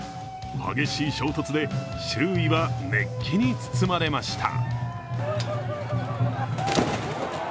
激しい衝突で、周囲は熱気に包まれました。